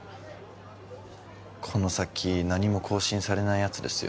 この先何も更新されないやつですよ